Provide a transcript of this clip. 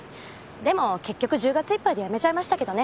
でも結局１０月いっぱいで辞めちゃいましたけどね